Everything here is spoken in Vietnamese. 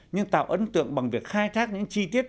nhưng tạo ấn tượng bằng việc khai thác những chi tiết